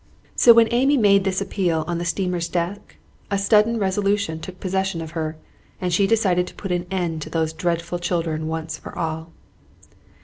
So when Amy made this appeal on the steamer's deck, a sudden resolution took possession of her, and she decided to put an end to these dreadful children once for all.